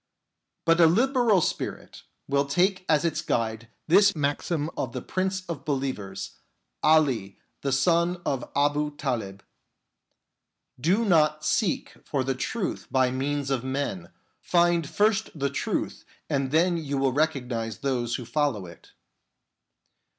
But a liberal spirit will take as its guide this maxim of the Prince of believers, Ali the son of Abu Talib :" Do not seek for the truth by means of men ; find first the truth and then you will recognise those who follow it."